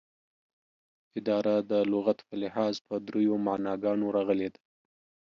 اداره دلغت په لحاظ په دریو معناګانو راغلې ده